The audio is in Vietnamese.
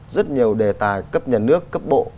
rất nhiều đề tài cấp nhà nước cấp bộ